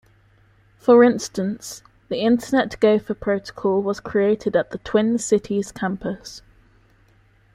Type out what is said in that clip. For instance, the Internet Gopher protocol was created at the Twin Cities campus.